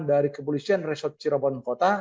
dari kepolisian resort cirebon kota